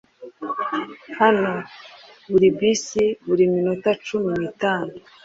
Hano buri bus buri minota cumi n'itanu.